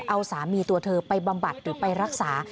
เอาสามีตัวเธอไปบำบัดหรือไปรักษา